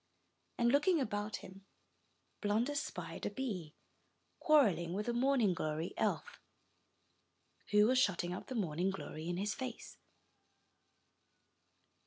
And looking about him, Blunder spied a bee, quarreling with a morning glory elf, who was shutting up the morning glory in his face.